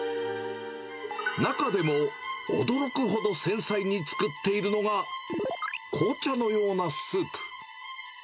中でも驚くほど繊細に作っているのが紅茶のようなスープ。